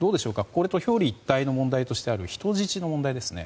これと表裏一体の問題としてある人質の問題ですね。